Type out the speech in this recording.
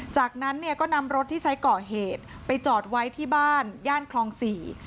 จากนั้นเนี่ยก็นำรถที่ใช้ก่อเหตุไปจอดไว้ที่บ้านย่านคลองสี่